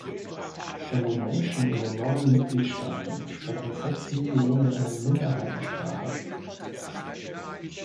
Von den Menschen in den neuen Mitgliedstaaten sprechen sechs Millionen eine Minderheitensprache.